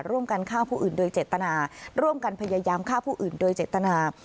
ร่วมกันฆ่าผู้อื่นโดยเจตนาร่วมกันพยายามฆ่าผู้อื่นโดยเจตนา